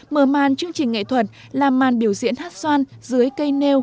mở màn chương trình nghệ thuật làm màn biểu diễn hát xoan dưới cây nêu